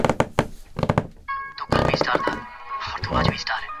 আজকের roller skating অবসর নাচ, খেলাধুলার জন্য এবং বিনোদন হিসেবে পপ সংস্কৃতির একটি অংশ।